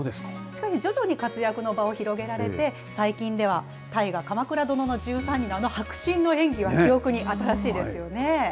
しかし、徐々に活躍の場を広げられて、最近では大河、鎌倉殿の１３人の、あの迫真の演技は記憶に新しいですよね。